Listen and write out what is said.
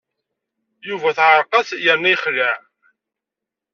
Yuba teɛreq-as yerna yexleɛ.